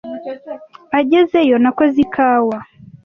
Agezeyo, nakoze ikawa.